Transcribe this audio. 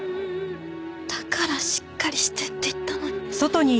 だからしっかりしてって言ったのに！